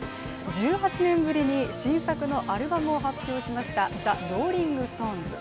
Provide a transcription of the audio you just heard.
１８年ぶりに新作のアルバムを発表しましたザ・ローリング・ストーンズ。